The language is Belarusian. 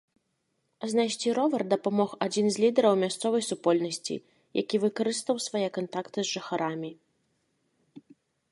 Знайсці ровар дапамог адзін з лідэраў мясцовай супольнасці, які выкарыстаў свае кантакты з жыхарамі.